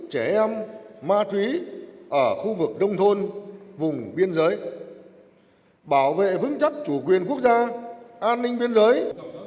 trẻ em ma túy ở khu vực đông thôn vùng biên giới bảo vệ vững chắc chủ quyền quốc gia an ninh biên giới